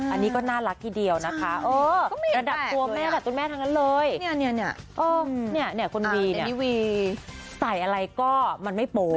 อันนี้ก็น่ารักทีเดียวนะคะ